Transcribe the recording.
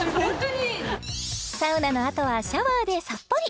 サウナのあとはシャワーでさっぱり！